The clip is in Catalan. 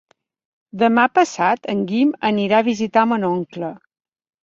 Demà passat en Guim anirà a visitar mon oncle.